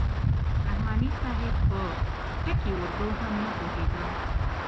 رحماني صاحب په ټکي اردو هم نه پوهېده.